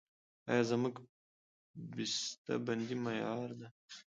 آیا زموږ بسته بندي معیاري ده؟